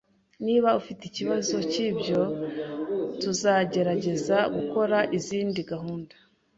Niba ufite ikibazo cyibyo, tuzagerageza gukora izindi gahunda